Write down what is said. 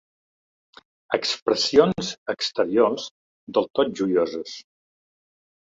Expressions exteriors del tot joioses.